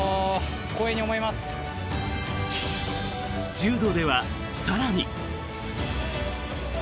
柔道では更に。